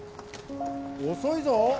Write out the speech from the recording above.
遅いぞ。